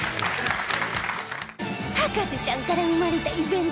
『博士ちゃん』から生まれたイベント